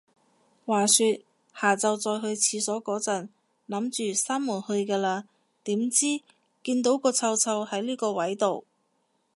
話說，下就再去廁所個陣，諗住閂門去㗎啦，點知，見到個臭臭係呢個位到